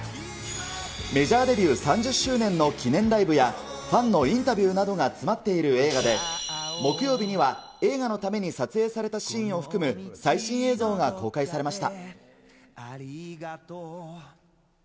メジャーデビュー３０周年の記念ライブや、ファンのインタビューなどが詰まっている映画で、木曜日には映画のために撮影されたシーンを含む、最新映像が公開されました。